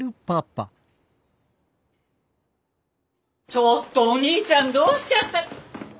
ちょっとお兄ちゃんどうしちゃった。